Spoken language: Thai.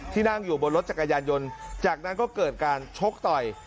นั่งอยู่บนรถจักรยานยนต์จากนั้นก็เกิดการชกต่อย